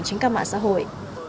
trên các mạng xã hội